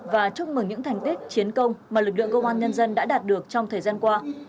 và chúc mừng những thành tích chiến công mà lực lượng công an nhân dân đã đạt được trong thời gian qua